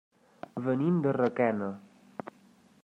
Venim de Requena.